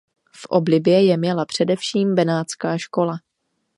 V oblibě je měla především benátská škola.